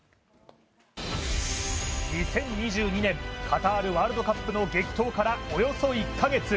２０２２年、カタールワールドカップの激闘からおよそ１か月。